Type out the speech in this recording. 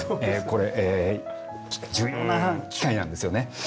これ重要な機会なんですよね。